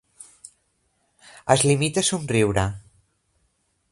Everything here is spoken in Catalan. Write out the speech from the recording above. Es limita a somriure.